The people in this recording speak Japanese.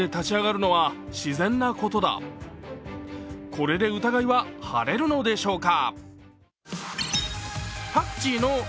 これで疑いは晴れるのでしょうか？